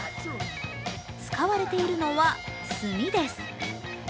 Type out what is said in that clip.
使われているのは炭です。